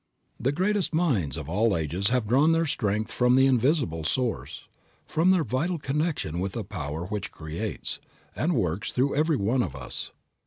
The greatest minds of all ages have drawn their strength from the invisible Source, from their vital connection with the Power which creates, and works through every one of us.